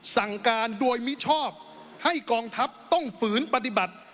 สั่งการโดยมิชอบให้กองทัพต้องฝืนปฏิบัติ